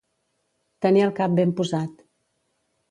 Tenir el cap ben posat.